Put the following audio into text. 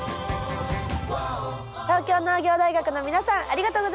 東京農業大学の皆さんありがとうございました！